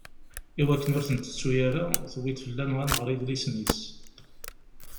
Iwakken ur t-ntettu ara, tuwi-d fell-aneɣ ad nɣer idlisen-is.